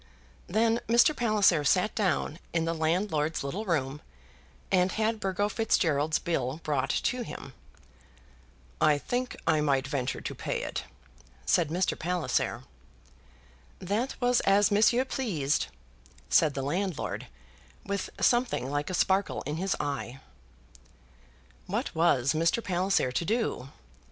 Then Mr. Palliser sat down in the landlord's little room, and had Burgo Fitzgerald's bill brought to him. "I think I might venture to pay it," said Mr. Palliser. "That was as monsieur pleased," said the landlord, with something like a sparkle in his eye. What was Mr. Palliser to do?